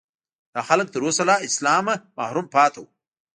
دا خلک تر اوسه له اسلامه محروم پاتې وو.